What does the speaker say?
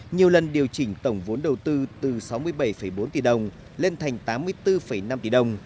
nhiều lần điều chỉnh tổng vốn đầu tư từ sáu mươi bảy bốn tỷ đồng lên thành tám mươi bốn năm tỷ đồng